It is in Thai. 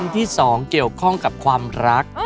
ที่๒เกี่ยวข้องกับความรัก